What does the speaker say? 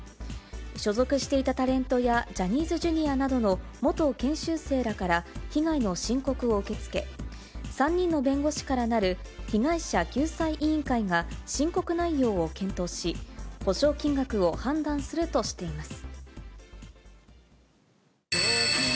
所属していたタレントやジャニーズＪｒ．などの元研修生らから被害の申告を受け付け、３人の弁護士からなる被害者救済委員会が申告内容を検討し、補償金額を判断するとしています。